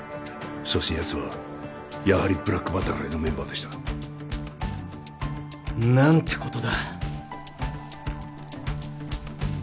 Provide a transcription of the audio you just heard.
そしてやつはやはりブラックバタフライのメンバーでした何てことだ